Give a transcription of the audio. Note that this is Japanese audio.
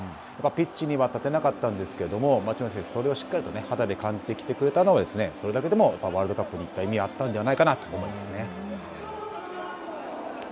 ピッチには立てなかったんですけれども、町野選手、それをしっかりと肌で感じてきてくれたのは、それだけでもワールドカップに行った意味があったんではないかなと思いますね。